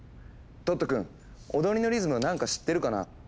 トット君踊りのリズム何か知ってるかな？